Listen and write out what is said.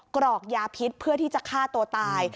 กรอกยาพิษเพื่อที่จะฆ่าตัวตาย